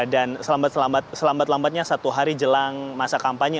dan selambat selambatnya satu hari jelang masa kampanye